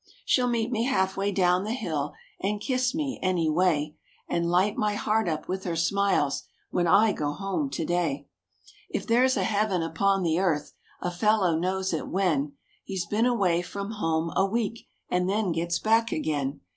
She'll meet me half way down the hill, and kiss me, any way; And light my heart up with her smiles, when I go home to day! If there's a heaven upon the earth, a fellow knows it when He's been away from home a week, and then gets back again.